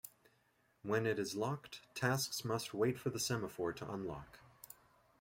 When it is locked, tasks must wait for the semaphore to unlock.